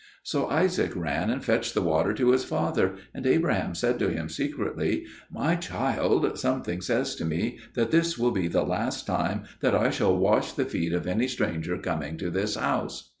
So Isaac ran and fetched the water to his father; and Abraham said to him secretly, "My child, something says to me that this will be the last time that I shall wash the feet of any stranger coming to this house."